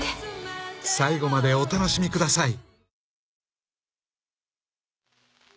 ［最後までお楽しみください］